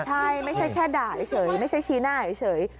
ใช่ไม่ใช่แค่ด่าเฉยไม่ใช่ชี้หน้าเฉย